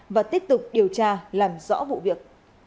và tiếp tục điều tra làm rõ vụ việc